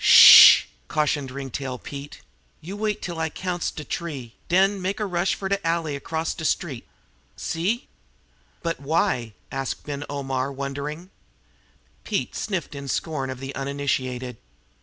"S h h h!" cautioned Ringtail. "You wait till I counts to t'ree, den make a rush fer de alley acrost de street see?" "But, why?" asked Omar Ben, wondering. Pete sniffed in scorn of the uninitiated.